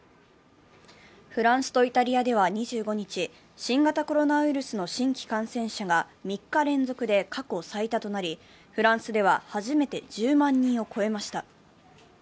フランスとイタリアでは２５日、新型コロナウイルスの新規感染者が３日連続で過去最多となり、フランスでは初めて１０万人を超えました。